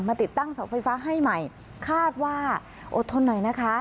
ติดตั้งเสาไฟฟ้าให้ใหม่คาดว่าอดทนหน่อยนะคะ